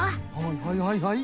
はいはいはい。